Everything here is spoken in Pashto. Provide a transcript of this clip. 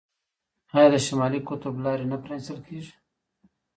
آیا د شمالي قطب لارې نه پرانیستل کیږي؟